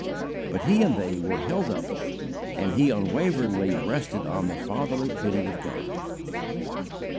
But he and they were held up, and he unwaveringly rested on the fatherly pity of God.